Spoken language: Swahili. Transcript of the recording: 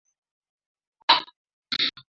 Menya viazi lishe vyako kabla ya kula